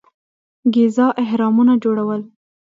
ګیزا اهرامونه جوړول.